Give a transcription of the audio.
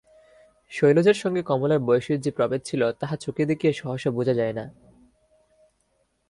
শৈলজার সঙ্গে কমলার বয়সের যে প্রভেদ ছিল তাহা চোখে দেখিয়া সহসা বোঝা যায় না।